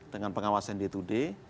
dengan pengawasan day to day